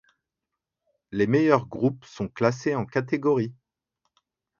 Les meilleurs groupes sont classés en catégorie.